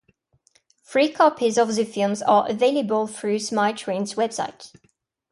Free copies of the film are available through Smile Train's website.